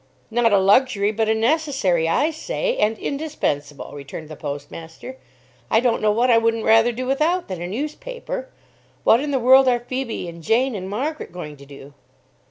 "Not a luxury, but a necessary, I say, and indispensable," returned the postmaster. "I don't know what I wouldn't rather do without than a newspaper. What in the world are Phoebe, and Jane, and Margaret going to do?"